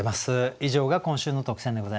以上が今週の特選でございました。